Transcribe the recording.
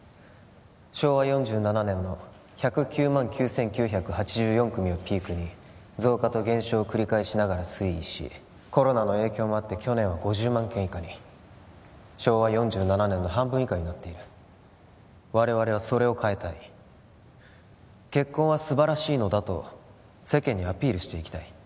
昭和４７年の１０９万９９８４組をピークに増加と減少を繰り返しながら推移しコロナの影響もあって去年は５０万件以下に昭和４７年の半分以下になっている我々はそれを変えたい結婚は素晴らしいのだと世間にアピールしていきたい